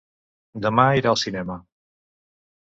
Demà irà al cinema.